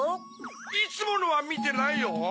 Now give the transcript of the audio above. いつものはみてないよ。